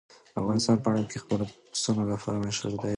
افغانستان په نړۍ کې د خپلو پسونو لپاره مشهور دی.